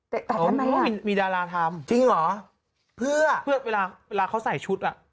ตัดทำไมล่ะจริงหรือเพื่อเพื่อเวลาเขาใส่ชุด